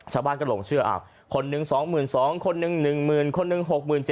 ชาวบ้านก็หลงเชื่อคนหนึ่ง๒๒๐๐คนนึง๑๐๐๐คนหนึ่ง๖๗๐